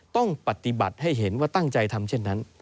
ต้องปฏิบัติให้เห็นว่าตั้งใจทำเช่นนั้น